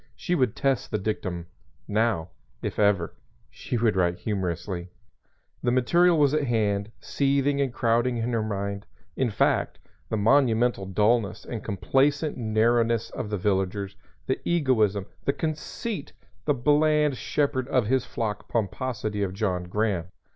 She would test the dictum; now, if ever, she would write humorously. The material was at hand, seething and crowding in her mind, in fact the monumental dullness and complacent narrowness of the villagers, the egoism, the conceit, the bland shepherd of his flock pomposity of John Graham.